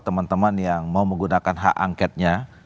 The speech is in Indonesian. teman teman yang mau menggunakan hak angketnya